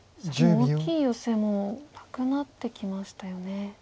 もう大きいヨセもなくなってきましたよね。